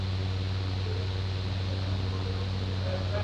Jamii ina uhotaji wa shamba darasa